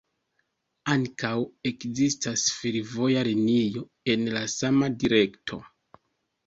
Ankaŭ ekzistas fervoja linio en la sama direkto.